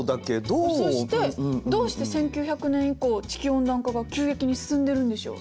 そしてどうして１９００年以降地球温暖化が急激に進んでるんでしょう？